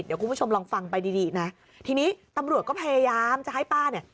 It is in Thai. เดี๋ยวคุณผู้ชมลองฟังไปดีดีนะทีนี้ตำรวจก็พยายามจะให้ป้าเนี่ย